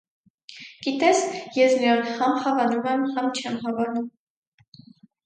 - Գիտե՞ս, ես նրան համ հավանում եմ, համ չեմ հավանում.